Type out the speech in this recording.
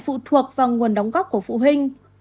phụ thuộc vào nguồn đóng góp của phụ huynh